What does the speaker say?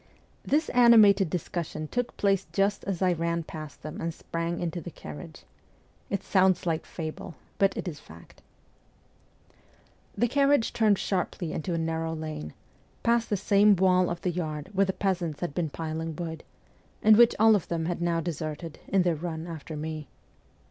This animated discussion took place just as I ran past them and sprang into the carriage. It sounds like fable, but it is fact. The carriage turned sharply into a narrow lane, past the same wall of the yard where the peasants had been piling wood, and which all of them had now deserted in their run after me.